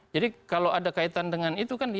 jadi kalau ada kaitan dengan itu kan